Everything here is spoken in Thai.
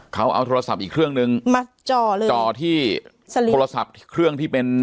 เขาเอาโทรศัพท์อีกเครื่องนึงมาจ่อเลยจ่อที่โทรศัพท์เครื่องที่เป็น